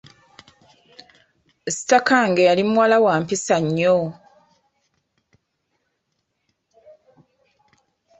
Sitakange yali muwala wa mpisa nnyo.